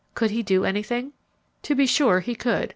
Could he do anything? To be sure he could.